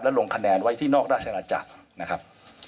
ลงคะแนนไว้ที่นอกราชนาจักรนะครับ